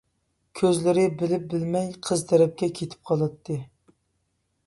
كۆزلىرى بىلىپ-بىلمەي قىز تەرەپكە كېتىپ قالاتتى.